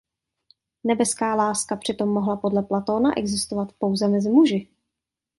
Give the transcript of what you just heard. Nebeská láska přitom mohla podle Platóna existovat pouze mezi muži.